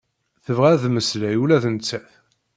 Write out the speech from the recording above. Tebɣa ad mmeslay ula d nettat.